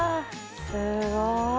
すごい。